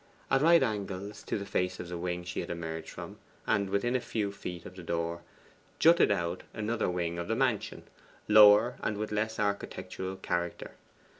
At right angles to the face of the wing she had emerged from, and within a few feet of the door, jutted out another wing of the mansion, lower and with less architectural character.